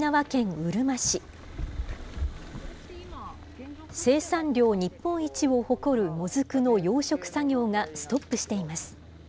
生産量日本一を誇るもずくの養殖作業がストップしています。